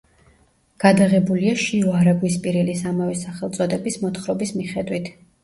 გადაღებულია შიო არაგვისპირელის ამავე სახელწოდების მოთხრობის მიხედვით.